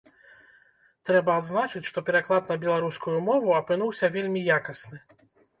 Трэба адзначыць, што пераклад на беларускую мову апынуўся вельмі якасны.